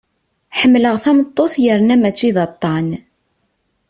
Ḥemmleɣ tameṭṭut yerna mačči d aṭṭan.